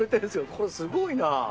これ、すごいな。